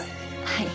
はい。